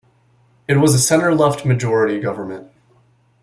It was a Center-left majority government.